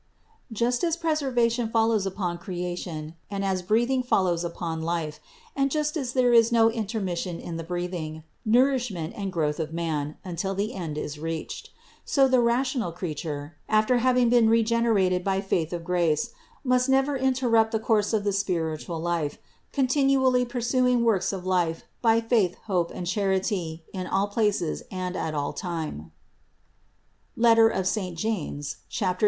Just as preservation follows upon cre ation, and as breathing follows upon life, and just as there is no intermission in the breathing, nourishment and growth of man until the end is reached : so the rational creature, after having been regenerated by faith of grace, must never interrupt the course of the spiritual life, continually pursuing works of life by faith, hope and charity in all places and at all time (James 2, 26).